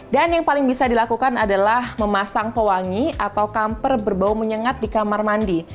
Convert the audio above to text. dan yang paling bisa dilakukan adalah memasang pewangi atau kamper berbau menyengat di kamar mandi